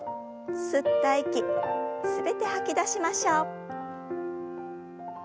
吸った息全て吐き出しましょう。